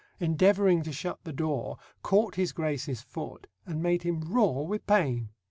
endeavouring to shut the door, caught his grace's foot, and made him roar with pain.